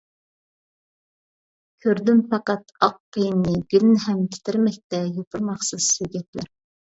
كۆردۈم پەقەت ئاق قىيىننى، گۈلنى ھەم، تىترىمەكتە يوپۇرماقسىز سۆگەتلەر.